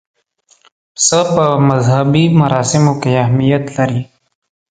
پسه په مذهبي مراسمو کې اهمیت لري.